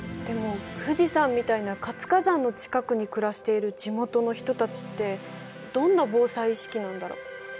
でも富士山みたいな活火山の近くに暮らしている地元の人たちってどんな防災意識なんだろ？